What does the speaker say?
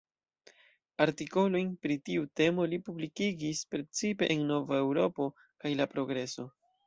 Artikolojn pri tiu temo li publikigis precipe en "Nova Eŭropo" kaj "La Progreso.